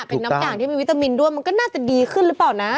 เป็นน้ำอย่างที่มีวิตามินด้วยมันก็น่าจะดีขึ้นหรือเปล่านะ